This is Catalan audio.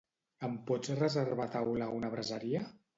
Em pots reservar taula a una braseria?